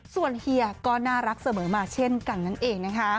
ส่วนเฮียก็น่ารักเสมอมาเช่นกันนั่นเองนะคะ